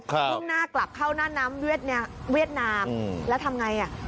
มุ่งหน้ากลับเข้าหน้าน้ำเวียดนามแล้วทำไงอ่ะ